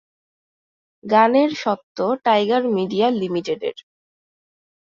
গানের স্বত্ব Tiger Media লিমিটেডের।